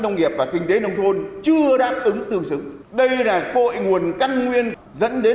nông nghiệp và kinh tế nông thôn chưa đáp ứng tương xứng đây là cội nguồn căn nguyên dẫn đến